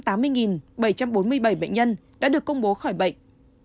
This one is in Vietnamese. trong đó có tám trăm tám mươi bảy trăm bốn mươi bảy bệnh nhân đã được công bố khỏi bệnh